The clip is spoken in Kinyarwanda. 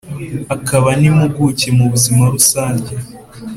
akanaba n’impuguke mu buzima rusange